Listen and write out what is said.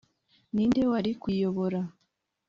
ni inde wari kuyiyobora